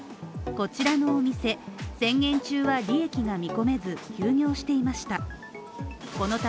こちらのお店、宣言中は利益が見込めず、休業をしていました。